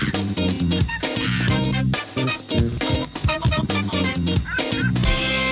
ต้องให้มายูลูก